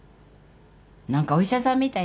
何かお医者さんみたいだね。